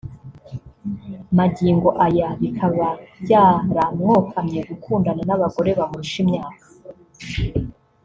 Magingo aya bikaba byaramwokamye gukundana n’ abagore bamurusha imyaka